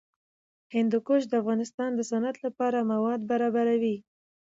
هندوکش د افغانستان د صنعت لپاره مواد برابروي.